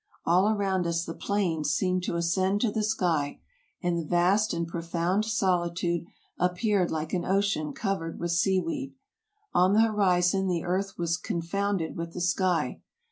All around us the plains seemed to ascend 174 TRAVELERS AND EXPLORERS to the sky, and the vast and profound solitude appeared like an ocean covered with sea weed. On the horizon the earth was confounded with the sky.